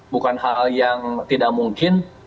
bukan hal yang tidak mungkin